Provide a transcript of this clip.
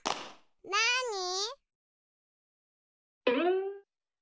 なに？